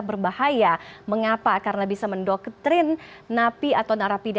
penempatan lapas dan kalau dialamkan domesticated sidokida